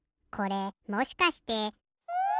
これもしかして。